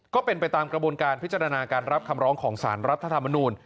ก็เป็นไปตามกระบวนการพิจารณาการรับคำร้องของสารรัฐธรรมนูล